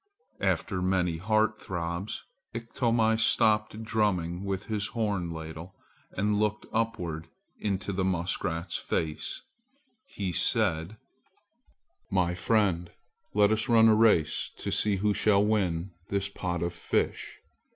After many heart throbs Iktomi stopped drumming with his horn ladle, and looking upward into the muskrat's face, he said: "My friend, let us run a race to see who shall win this pot of fish.